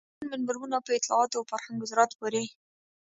مډرن منبرونه په اطلاعاتو او فرهنګ وزارت پورې.